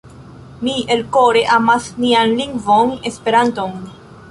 Mi elkore amas nian lingvon Esperanton.